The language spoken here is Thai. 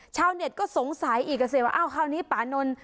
ชาวเน็ตก็สงสัยอีกอ่ะสิว่าอ้าวคราวนี้ปานนท์